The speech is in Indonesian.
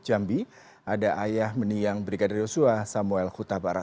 ada ayah mendiang brigadir yosua samuel kuta barat